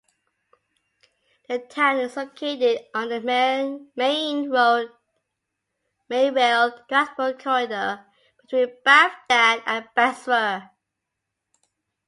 The town is located on the main rail transport corridor between Baghdad and Basra.